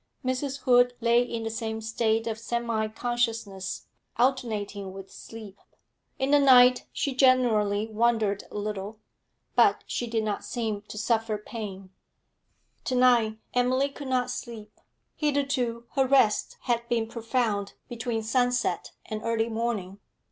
Mrs. Hood lay in the same state of semi consciousness alternating with sleep. In the night she generally wandered a little. But she did not seem to suffer pain. To night Emily could not sleep; hitherto her rest had been profound between sunset and early morning.